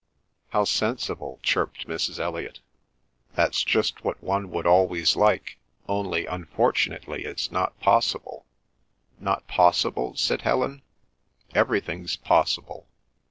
"How sensible!" chirped Mrs. Elliot. "That's just what one would always like—only unfortunately it's not possible." "Not possible?" said Helen. "Everything's possible.